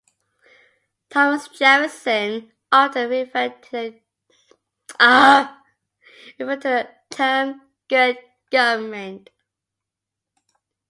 Thomas Jefferson often referred to the term good government.